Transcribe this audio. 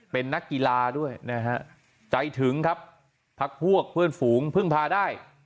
เป็นนักกีฬาด้วยนะฮะใจถึงครับพักพวกเพื่อนฝูงพึ่งพาได้